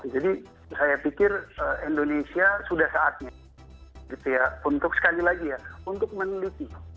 jadi saya pikir indonesia sudah saatnya untuk sekali lagi ya untuk meneliti